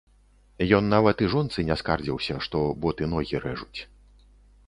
Ён нават і жонцы не скардзіўся, што боты ногі рэжуць.